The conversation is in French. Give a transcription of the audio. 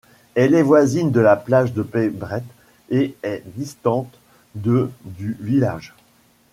Elle est voisine de la Plage de Pebret et est distante de du village.